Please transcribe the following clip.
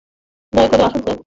দয়া করে আসুন স্যার।